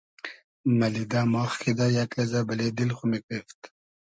مئلیدۂ ماخ کیدۂ یئگ لئزۂ بئلې دیل خو میگریفت